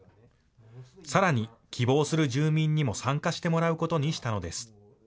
さらに希望する住民にも参加してもらうことにしたのです。